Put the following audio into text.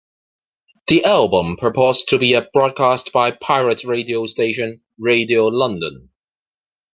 The album purports to be a broadcast by pirate radio station Radio London.